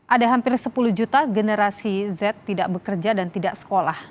ada hampir sepuluh juta generasi z tidak bekerja dan tidak sekolah